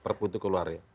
perpu itu keluar ya